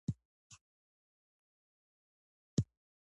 دا ازادي یوه ځانګړې غوښتنه کوي.